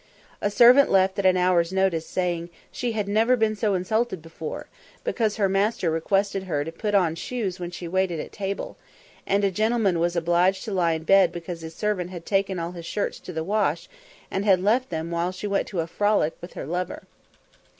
A servant left at an hour's notice, saying, "she had never been so insulted before," because her master requested her to put on shoes when she waited at table; and a gentleman was obliged to lie in bed because his servant had taken all his shirts to the wash, and had left them while she went to a "frolic" with her lover.